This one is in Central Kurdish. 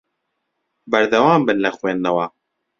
بەردەوام بن لە خوێندنەوە.